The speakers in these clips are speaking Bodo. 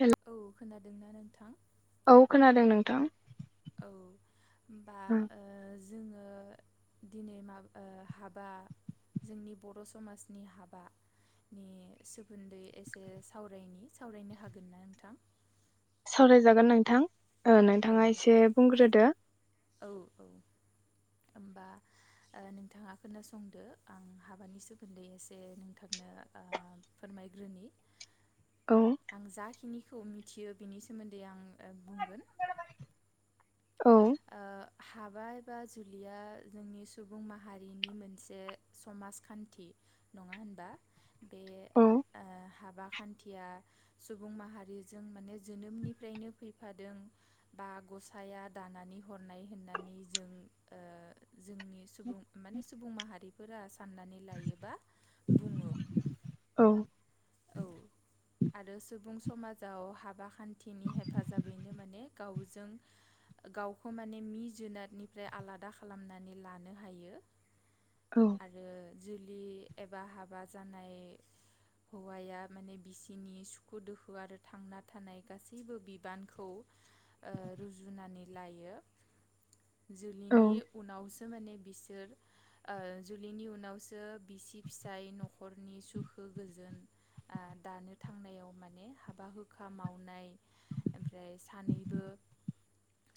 हेल' औ खोनादोंना नोंथां? थां। औ बा ओ जोङो दिनै माब ओ हाबा जोंनि बर' समाजनि हाबानि सोमोन्दै एसे सावरायनि, सावरायनो हागोनना नोंथां? सावरायजागोन नोंथां। ओ औ नोंथाङा एसे बुंग्रोदो औ ओमबा ओ नोंथाङा खोनासंदो आं हाबानि सोमोन्दै एसे नोंथांनो ओ फोरमायग्रोनि औ आं जाखिनि खौ मिथियो बिनि सोमोन्दै आं ओ बुंगोन औ ओ हाबा एबा जुलिया जोंनि सुबुं माहारिनि मोनसे समाजखान्थि नङा होनबा? बे औ ओ हाब हाबा खान्थिया सुबुं माहारिजों माने जोनोमनिफ्रायनो फैफादों बा गसाया दानानै नानै हरनाय होननानै जों ओ जोंनि सुबुं माने सुबुं माहारिफोरा साननानै लायोबा बुङो। औ औ आरो सुबुं समाजाव हाबा खान्थिनि हेफाजाबैनो माने गावजों गावखौ माने मि जुनादनिफ्राय आलादा खालामनानै लानो हायो। औ आरो जुलि एबा हाबा जानाय हौवाया माने बिसिनि सुखु दोखु आरो थांना थानाय गासैबो बिबानखौ ओ रुजुनानै लायो। औ जुलिनि उनावसो माने बिसोर ओ जुलिनि उनावसो बिसि फिसाय न'खरनि सुखु गोजोन ओ दानो थांनायाव माने हाबा हुखा मावनाय ओमफ्राय सानैबो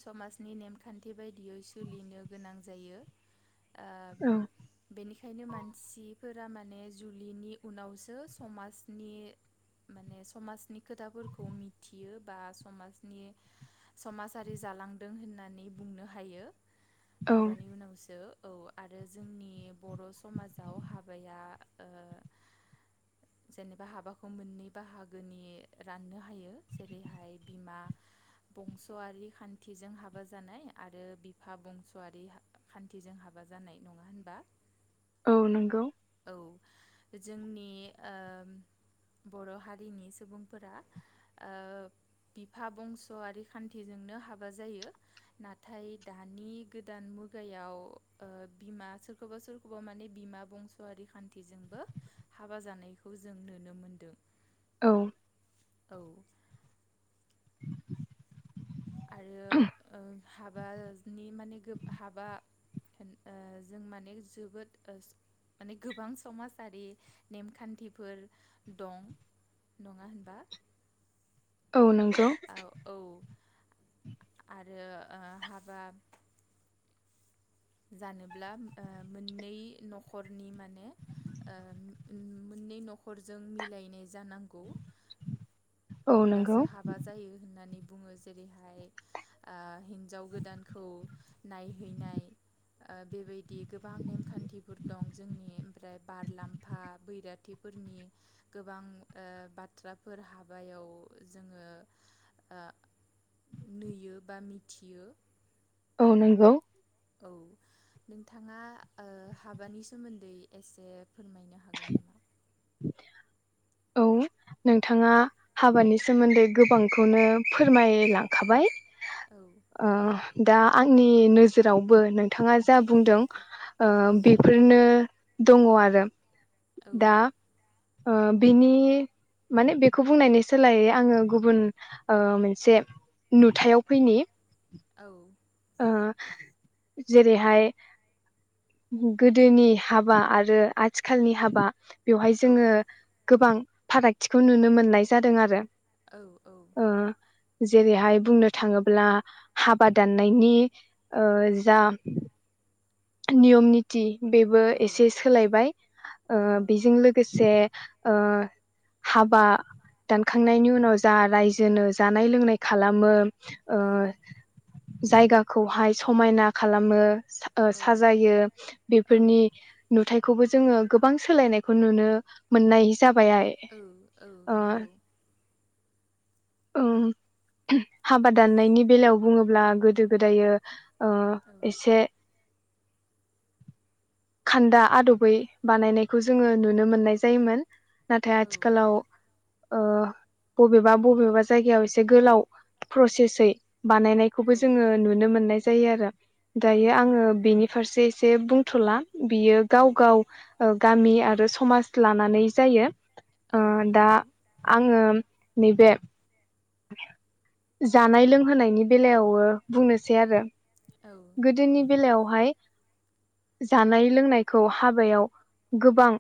समाजनि नेमखान्थि बायदियै सोलिनो गोनां जायो। ओ औ बेनिखायनो मानसिफोर फ्रा माने जुलिनि उनावसो समाजनि माने समाजनि खोथाफोरखौ मिथियो बा समाजनि समाजारि जालांदों होननानै बुंनो हायो। औ हाबानि उनावसो औ आरो जोंनि बर' समाजाव हाबाया ओ जेनेबा हाबाखौ मोननै बाहागोनि राननो हायो जेरैहाय बिमा बंसआरि खान्थिजों हाबा जानाय आरो बिफा बंसआरि खान्थिजों हाबा जानाय नङा होनबा? औ नंगौ। औ जोंनि ओ बर' हारिनि सुबुंफोरा ओ बिफा बंसआरि खान्थिजोंनो हाबा जायो नाथाय दानि गोदान मुगायाव ओ बिमा सोरखौबा सोरखौबा माने बिमा बंसआरि खान्थिजोंबो हाबा जानाय खौ जों नुनो मोनदों। औ। औ। [inaudible] आरो ओ हाबानि माने गोब हाबा होन ओ जों माने जोबोद ओस माने गोबां समाजारि नेमखान्थिफोर दं नङा होनबा? औ नंगौ। औ औ आरो ओ हाबा जानोब्ला ओ मोननै न'खरनि माने ओ ओम मोननै न'खरजों मिलायनाय जानांगौ। औ नंगौ अब्लासो हाबा जायो होननानै बुङो जेरैहाय ओ हिन्जाव गोदानखौ नायहैनाय ओ बेबायदि गोबां नेमखान्थिफोर दं जोंनि ओमफ्राय बारलाम्फा बैराथिफोरनि गोबां ओ बाथ्राफोर हाब बायाव जोङो ओ नुयो बा मिथियो। औ नंगौ। औ नोंथाङा ओ हाबानि सोमोन्दै एसे फोरमायनो हागोन नामा? औ। औ नोंथाङा हाबानि सोमोन्दै गोबांखौनो फोरमायलांखाबाय। औ अ। दा आंनि नोजोरावबो नोंथाङा जा बुंदों ओह औ बेफोरनो दङ आरो। औ दा ओह बिनि माने बेखौ बुंनायनि सोलायै आङो गुबुन मोनसे नुथायाव औ फैनि। औ। ओ जेरैहाय गोदोनि हाबा आरो आथिखालनि हाबा। बेवहाय औ जोङो गोबां। फारागथिखौ नुनो मोननाय जादों आरो। औ औ। ओ जेरैहाय बुंनो थाङोब्ला हाबा दान नायनि ओह जाम नियम निथि। बेबो एसे सोलायबाय ओह बेजों लोगोसे। ओह हाबा दानखांनायनि उनाव जा रायजोनो जानाय लोंनाय खालामो। ओह। जायगाखौहाय समायना खालामो सा ओह साजायो औ बेफोरनि नुथायफ खौबो जोङो गोबां सोलायनायखौ नुनो मोननाय जाबाय आइ औ ओह। नंगौ उम हाबा दाननायनि बेलायाव बुङोब्ला गोदो गोदायो। ओह‌ औ एसे। खान्दा आदबै बानायनायखौ जोङो नुनो मोननाय जायोमोन। नाथाय औ आथिखालाव ओह बबेबा बबेबा जायगायाव एसे गोलाव प्रसेसै बानायनायखौबो जोङो नुनो मोननाय जायो आरो। औ औ दायो आङो। से एसे बुंथला। बियो गाव औ गाव ओ गामि आरो समाज लानानै। जायो। औ ओ दा नंगौ आङोम नैबे जानाय लोंहोनायनि बेलायावबो बुंनोसै आरो। औ औ गोदोनि बेलायावहाय। जानाय लोंनायखौ हाबायाव गोबां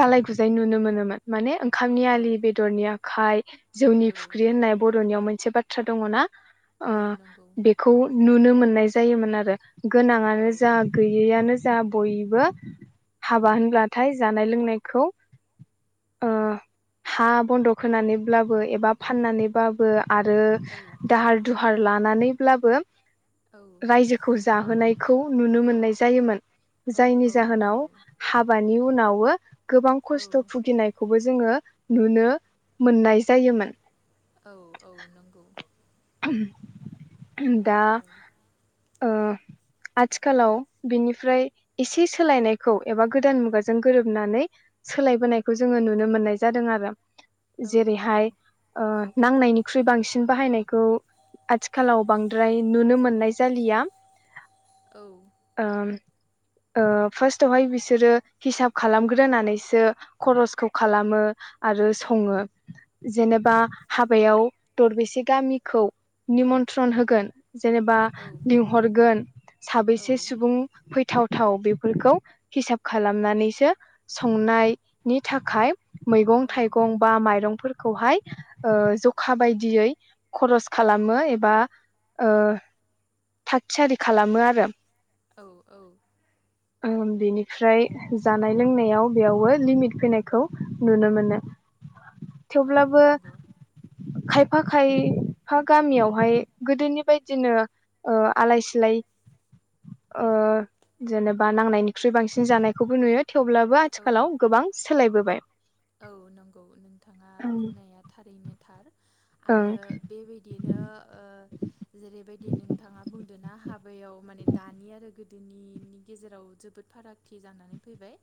गालाय गुजाय नुनो मोनोमोन माने ओंखामनि औ आलि बेदरनि आखाइ नि औ फुख्रि होननाय बर'नियाव मोनसे बाथ्रा दङ ना? औ ओ नंगौ बेखौ नुनो मोननाय जायोमोन आरो। औ गोनाङानो जा गैयैआनो जा बयबो औ हाबा होनब्लाथाय जानाय लोंनाय खौ ओ हा बन्दक होनानैब्लाबो एबा फाननानैबाबो। आरो दाहार दु हार लानानैब्लाबो रायजोखौ जाहोनाय। खौ नुनो मोननाय जायोमोन। औ जायनि औ जाहोनाव नंगौ हाबानि नि उनावो गोबां औ खस्थ' भुगिनायखौबो जों जोङो नुनो मोननाय जायोमोन। औ औ नंगौ। दा औ ओ आथिखालाव बिनिफ्राय एसे सोलायनायखौ एबा गोदान मुगाजों गोरोबनानै सोलायबोनायखौ जोङो नुनो मोननाय जादों आरो। औ नंगौ जेरैहाय ओ नांनायनिख्रुइ बांसिन बाहायनाय खौ आथिखालाव बांद्राय नुनो मोननाय जालिया। औ ओम। ओ फार्स्टआवहाय बिसोरो हिसाब खालामग्रोनानैसो खरसखौ खालामो आरो सङो जेनेबा हाबायाव दरबेसे गामि? खौ निमन्त्रन होगोन। जेनेबा औ लिंहरगोन औ साबैसे सुबुं फैथाव थाव बेफोरखौ हिसाब खालामनानैसो संनायनि थाखाय मैगं औ थाइगं बा माइरं खौहाय ओ जखा बायदियै खरस खालामो एबा ओ थाग थियारि खालामो आरो। औ औ। ओम बिनिफ्राय जानाय लोंनायाव बेयावबो लिमिट फैनायखौ नुनो मोनो। औ थेवब्लाबो नंगौ खायफ फा खाय फा गामियावहाय गोदोनि बायदिनो ओ आलाय सिलाय ओ जेनेबा नांनायनिख्रुइ बांसिन जानायखौबो नुयो। थेवब्लाबो औ आथिखालाव गोबां सोलायबोबाय। औ नंगौ नोंथाङा ओं बुंनाया थारैनो थार। औ आरो बेबायदिनो ओ जेरैबायदि नोंथाङा बुंदों ना हाबायाव माने दानि आरो गोद दिनैनि गेजेराव जोबोद फारागथि जानानै फैबाय।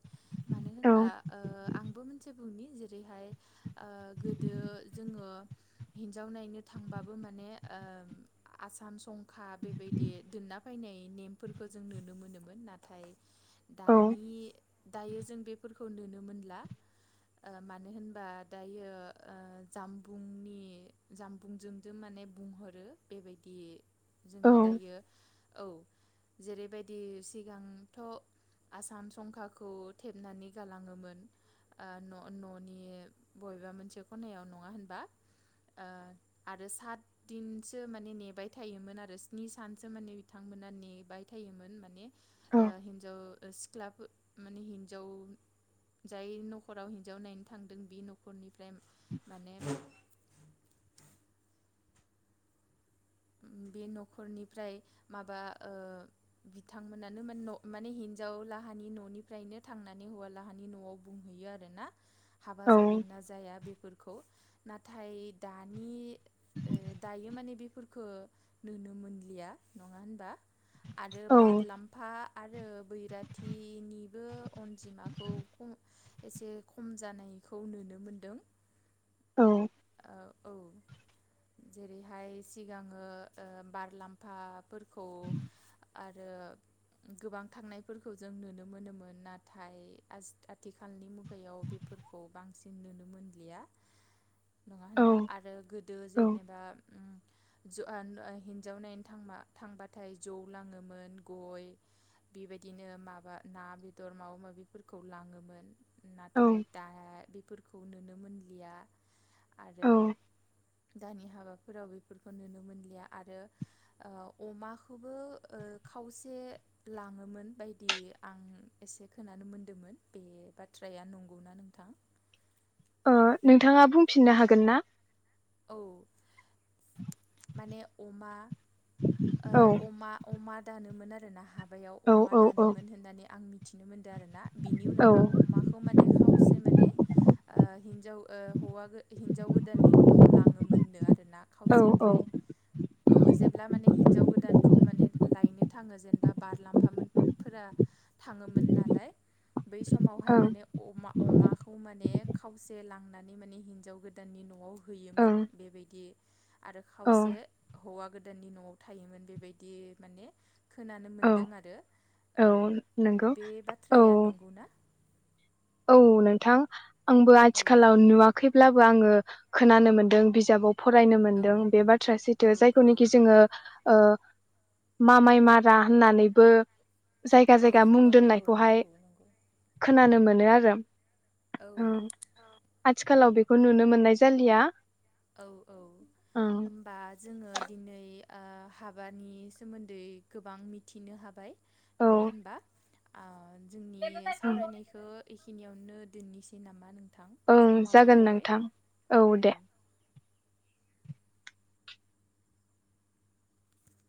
मानो होनबा औ ओ आंबो मोन बुंनि जेरैहाय ओ गोदो जोङो हिन्जाव नायनो थांबाबो माने ओ आसाम संखा बेबायदि दोनना फैनाय नेमफोरखो जों नुनो मोनोमोन नाथाय दानि दायो जों बेफोरखौ नुनो मोनला। ओ मानो होनबा दायो ओ जामबुंनि जामबुंजोंजों माने बुंहरो बेबायदि। औ जोङो दायो औ जेरैबायदि सिगांथ' आसाम संखाखौ थेबनानै गालाङोमोन ओ न' न'नि बबेबा मोनसे खनायाव नङा होनबा? आरो सातदिनसो माने नेबाय थायोमोन आरो स्नि सानसो माने बिथांमोना नेबाय थायोमोन माने ओ हिन्जाव सिख ख्लाफो माने हिन्जाव जायो न'ख खराव हिन्जाव नायनो थांदों बे न'खरनिफ्राय माने बे न'खरनिफ्राय माबा ओ बिथांमोनानो माने न' हिन्जावलाहानि न'निफ्रायनो थांनानै हौवालाहानि न'आव बुंहैयो आरो ना? हाबा औ जागोन ना जाया बेफोरखौ नाथाय दानि ओ दायो माने बेफ खो नुनो मोनलिया नङा होनबा? आरो औ बारलाम्फा आरो बैरात थिनिबो अनजिमाखौ खम एसे खम जानायखौ नुनो मोनदों। औ औ ओ जेरैहाय सिगाङो ओ बारलाम्फाफोरखौ आरो गोबां थांनायफोरखौ जों नुनो मोनोमोन नाथाय आस आथिखालनि मुगायाव बेफोरखौ बांसिन नुनो मोनलिया। नङा होनबा? आरो गोदो औ जेनेबा ओम ज आन ओ हिन्जाव नायनो थांबा थांबाथाय जौ लाङोमोन गय बेबायदिनो माबा ना बेदर माबा माबिफोरखौ लाङोमोन। नाथाय दा बेफोर खौ नुनो मोनलिया। आरो औ दानिया हाबाफोराव बेफोरखौ नुनो मोनलिया आरो ओ अमाखौबो ओ खावसे लाङोमोन बायदि आं एसे खोनानो मोनदोमोन बे बाथ्राया नंगौना नोंथां? ओ नोंथाङा बुंफिननो हागोन ना? औ माने अमा, औ ओ अमा अमा दानोमोन आरो ना हाब माबायाव औ अमा औ औ दानोमोन होननानै आं मिथिनो मोनदों आरो ना बिनि औ उनावहा ओं अमाखौ माने खावसे माने ओ हिनजाव ओ हौवा हिनजाव गोदाननि न'आव लाङोमोननो आ दोनना खावसे ओमफ्राय औ जेब्ला माने हिनजाव गोदानखौ माने लायनो थाङो जेनेबा बारलाम्फामोन फोरा थाङोमोन नालाय। बै समावहाय माने अमा अमाखौ माने खावसे लांनानै माने हिनजाव गोदाननि न'आव हैयोमोन ओं बेबायदि आरो औ खावसे हौवा गोदाननि न' आव थायोमोन बेबायदि माने खोनानो औ मोनदों आरो औ। नंगौ बे बाथ्राया औ नंगौ ना? औ नोंथां। आंबो औ आथिखालाव नुवाखैब्ला बो आङो खोनानो मोनदों बिजाबाव फरायनो औ मोनदों बे बाथ्राया औ सैथो जायखौनोखि औ जोङो ओ मामाइ मारा होननानैबो जायगा औ जायगा मुं औ औ दोननायखौहाय नंगौ नंगौ खोनानो मोन नो आरो औ आथिखालाव बे खौ नुनो मोननाय जालिया। औ औ ओं होमबा जोङो दिनै ओ हाबानि सोमोन्दै गोबां मिथिनो हाबाय। औ नङा होनबा? आ जोंनि ओं सावरायनायखो बेखिनियावनो दोननिसै नामा नों थां? ओं समाबो जागोन जाबाय नोंथां औ